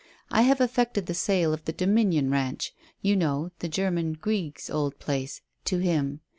I have effected the sale of the Dominion Ranch you know, the German, Grieg's, old place to him.